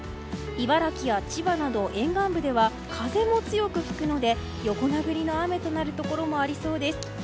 茨城や千葉など沿岸部では風も強く吹くので横殴りの雨となるところもありそうです。